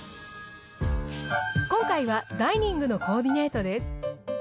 今回はダイニングのコーディネートです。